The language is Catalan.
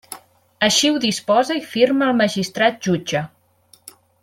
Així ho disposa i firma el magistrat jutge.